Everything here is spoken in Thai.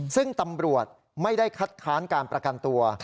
ซึ่งตำรวจไม่ได้คัดค้านการประกันตัว